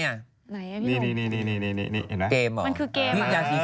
ไว้ดูมันคนบุญเนี่ย